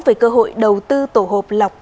về cơ hội đầu tư tổ hợp lọc